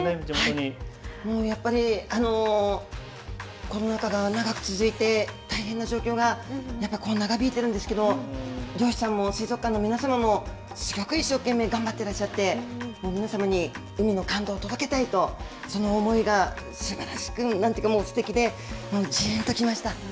やっぱり、コロナ禍が長く続いて、大変な状況が、長引いてるんですけれども、漁師さんも水族館の皆様も、すごく一生懸命頑張ってらっしゃって、皆様に海の感動を届けたいと、その思いがすばらしく、なんていうかもう、すてきで、じーんときました。